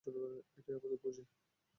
এটাই আমাদের পুঁজি।